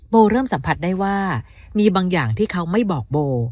เริ่มสัมผัสได้ว่ามีบางอย่างที่เขาไม่บอกโบ